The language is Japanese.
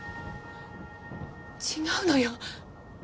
違うのよ。